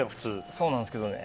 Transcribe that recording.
そうなんですけどね。